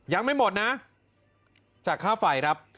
ยังไม่หมดนะจากค่าไฟครับ